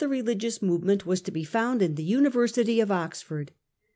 religious movement was to be found in the University of Oxford.